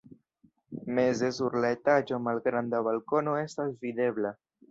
Meze sur la etaĝo malgranda balkono estas videbla.